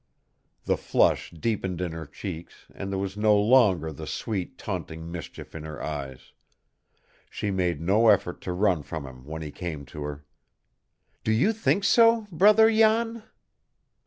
The flush deepened in her cheeks, and there was no longer the sweet, taunting mischief in her eyes. She made no effort to run from him when he came to her. "Do you think so, Brother Jan?"